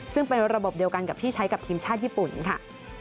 ซึ่งเป็นระบบเดียวกันกับที่ใช้กับทีมชาติญี่ปุ่นค่ะ